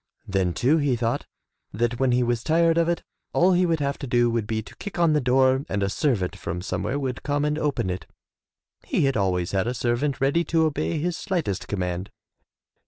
Then too he thought that when he was tired of it, all he would have to do would be to kick on the door and a servant from somewhere would come and open it, — ^he had always had a servant ready to obey his slightest command.